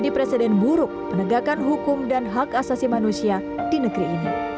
peruk penegakan hukum dan hak asasi manusia di negeri ini